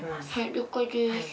了解です。